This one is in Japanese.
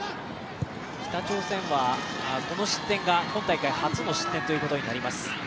北朝鮮はこの失点が今大会初の失点ということになります。